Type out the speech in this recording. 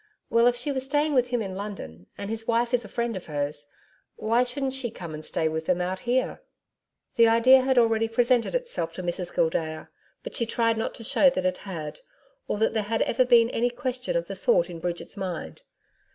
Well, if she was staying with him in London, and his wife is a friend of hers, why shouldn't she come and stay with them out here?' The idea had already presented itself to Mrs Gildea, but she tried not to show that it had, or that there had ever been any question of the sort in Bridget's mind.